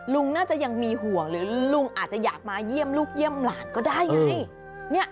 ลุงน่าจะยังมีห่วงหรือลุงอาจจะอยากมาเยี่ยมลูกเยี่ยมหลานก็ได้ไง